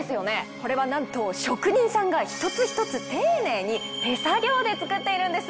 これはなんと職人さんが一つ一つ丁寧に手作業で作っているんですよ。